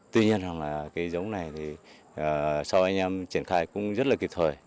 tuy nhiên là cái giống này thì sau anh em triển khai cũng rất là kịp thời